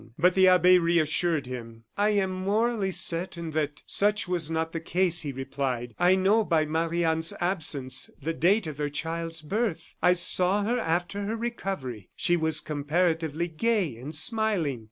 But the abbe reassured him. "I am morally certain that such was not the case," he replied. "I know, by Marie Anne's absence, the date of her child's birth. I saw her after her recovery; she was comparatively gay and smiling.